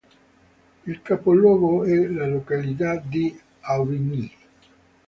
Il capoluogo è la località di Aubigny.